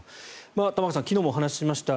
玉川さん、昨日もお話しました